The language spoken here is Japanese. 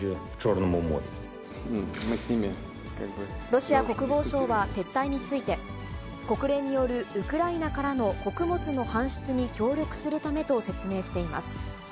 ロシア国防省は撤退について、国連によるウクライナからの穀物の搬出に協力するためと説明しています。